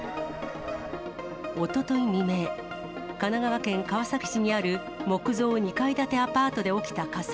おととい未明、神奈川県川崎市にある木造２階建てアパートで起きた火災。